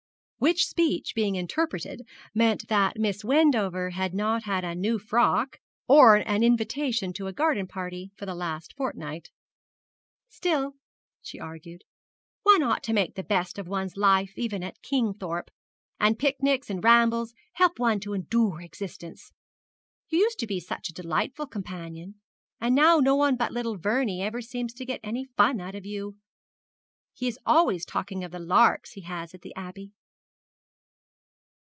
Which speech being interpreted meant that Miss Wendover had not had a new frock or an invitation to a garden party for the last fortnight. 'Still,' she argued,' one ought to make the best of one's life even at Kingthorpe, and picnics and rambles help one to endure existence. You used to be such a delightful companion, and now no one but little Vernie ever seems to get any fun out of you. He is always talking of the larks he has at the Abbey.'